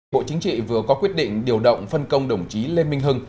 bộ chính trị vừa có quyết định điều động phân công đồng chí lê minh hưng